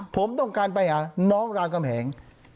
ผมต้องการไปหาน้องรามกำแหง